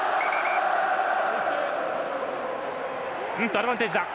アドバンテージだ。